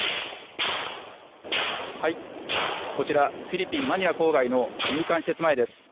こちら、フィリピン・マニラ郊外の入管施設前です。